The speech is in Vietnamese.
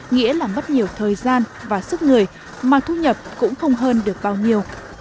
nghĩa là mất nhiều thời gian và sức người mà thu nhập cũng không hơn được bao nhiêu